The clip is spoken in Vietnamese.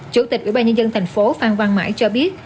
chủ tịch ủy ban nhân dân thành phố phan văn mãi cho biết